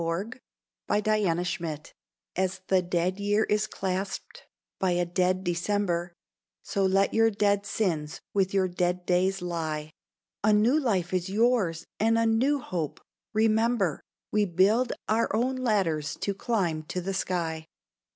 NEW YEAR RESOLVE As the dead year is clasped by a dead December, So let your dead sins with your dead days lie. A new life is yours and a new hope. Remember We build our own ladders to climb to the sky.